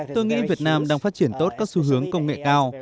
tôi nghĩ việt nam đang phát triển tốt các xu hướng công nghệ cao